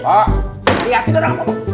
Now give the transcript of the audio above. pak hati hati dong